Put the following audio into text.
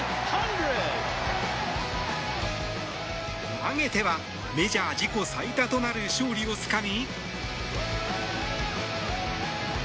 投げてはメジャー自己最多となる勝利をつかみ。